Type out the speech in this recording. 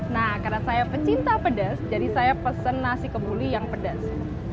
nah karena saya pecinta pedas jadi saya pesen nasi kebuli yang pedas